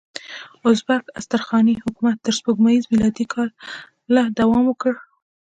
ازبک استرخاني حکومت تر سپوږمیز میلادي کاله دوام وکړ.